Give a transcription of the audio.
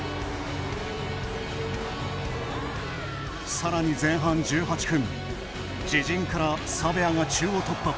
さらに前半１８分自陣からサベアが中央突破。